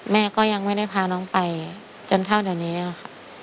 แม่ก็ยังไม่ได้พาน้องไปจนเท่าเดี๋ยวนี้ค่ะ